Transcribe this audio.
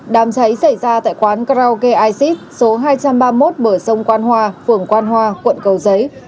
đàm cháy xảy ra tại quán krauge isis số hai trăm ba mươi một bờ sông quan hòa phường quan hòa quận cầu giấy